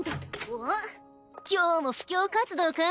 おっ今日も布教活動か？